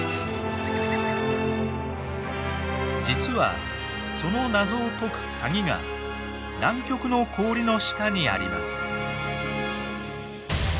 実はその謎を解くカギが南極の氷の下にあります。